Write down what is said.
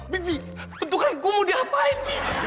tapi pentungan gua mau diapain